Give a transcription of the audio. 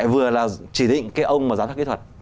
vừa là chỉ định cái ông mà giám sát kỹ thuật